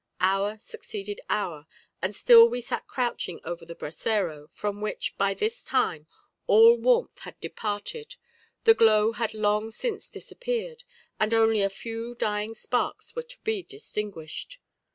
Hour succeeded hour, and still we sat crouching over the brasero, from which, by this time, all warmth had departed; the glow had long since disappeared, and only a few dying sparks were to be distinguished.